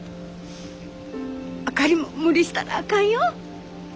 あかりも無理したらあかんよ。